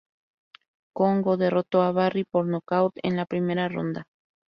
Kongo derrotó a Barry por nocaut en la primera ronda.